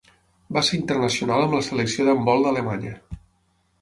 Va ser internacional amb la Selecció d'handbol d'Alemanya.